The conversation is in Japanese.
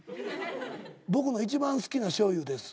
「僕の一番好きなしょうゆです」